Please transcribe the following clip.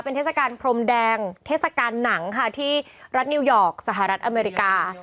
เทศกาลพรมแดงเทศกาลหนังค่ะที่รัฐนิวยอร์กสหรัฐอเมริกา